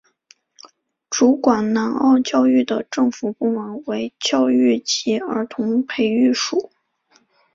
主管南澳教育的政府部门为教育及儿童培育署。